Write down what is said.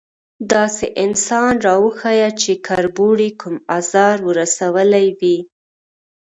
_داسې انسان راوښيه چې کربوړي کوم ازار ور رسولی وي؟